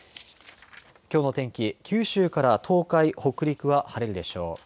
きょうの天気、九州から東海、北陸は晴れるでしょう。